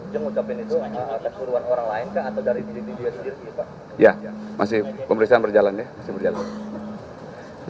ya masih pemeriksaan berjalan ya